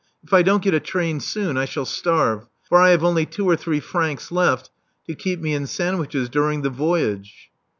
If I don't get a train soon, I shall starve ; for I have only two or three francs left to keep me in sandwiches during the voyage."